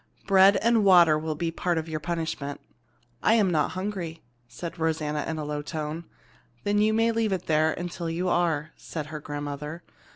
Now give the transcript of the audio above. "Bread and water will be part of your punishment." "I am not hungry," said Rosanna in a low tone. "Then you may leave it there until you are," said her grandmother.